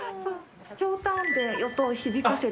ひょうたんで音を響かせて。